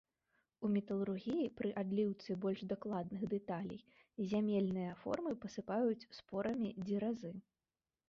У металургіі пры адліўцы больш дакладных дэталей зямельныя формы пасыпаюць спорамі дзеразы.